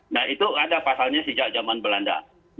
nah itu ada pasalnya sejak zaman belanda